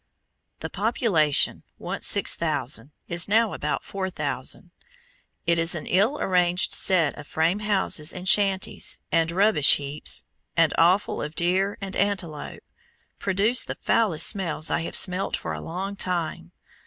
The population, once 6,000, is now about 4,000. It is an ill arranged set of frame houses and shanties and rubbish heaps, and offal of deer and antelope, produce the foulest smells I have smelt for a long time.